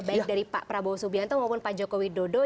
baik dari pak prabowo subianto maupun pak jokowi dodo